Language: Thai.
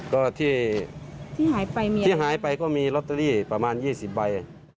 ก็ที่หายไปก็มีลอตเตอรี่ประมาณ๒๐ใบ